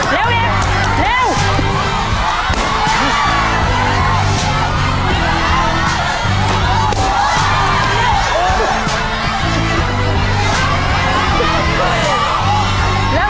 เยี่ยม